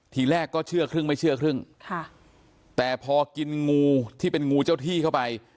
ทีแรกก็เชื่อครึ่งไม่เชื่อครึ่งค่ะแต่พอกินงูที่เป็นงูเจ้าที่เข้าไป